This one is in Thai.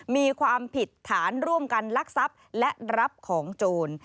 มีความผิดฐานร่วมกันลักทรัพย์และรับของโจร